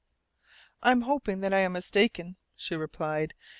"I am hoping that I am mistaken," she replied.